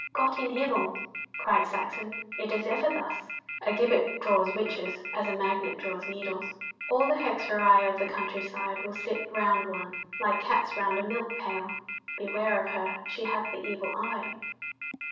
'Gott in Himmel!' cried Saxon, 'it is ever thus! A gibbet draws witches as a magnet draws needles. All the hexerei of the country side will sit round one, like cats round a milk pail. Beware of her! she hath the evil eye!